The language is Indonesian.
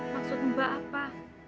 maksud mbak apa